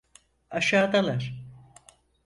Aşağıdalar.